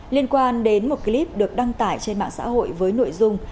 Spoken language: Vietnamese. liên quan đến một clip được đăng tải trên mạng xã hội với nội dung